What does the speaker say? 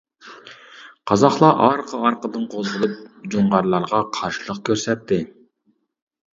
قازاقلار ئارقا-ئارقىدىن قوزغىلىپ جۇڭغارلارغا قارشىلىق كۆرسەتتى.